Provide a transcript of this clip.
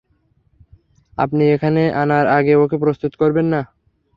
আপনি এখানে আনার আগে ওকে প্রস্তুত করবেন না।